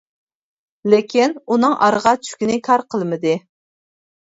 لېكىن ئۇنىڭ ئارىغا چۈشكىنى كار قىلمىدى.